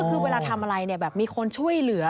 คือเวลาทำอะไรเนี่ยแบบมีคนช่วยเหลือ